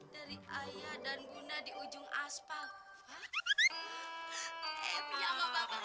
dari ayah dan bunda di ujung aspal